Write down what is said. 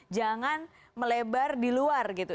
jangan melebar di luar gitu